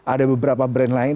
ada beberapa brand lain